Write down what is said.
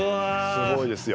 すごいですよ。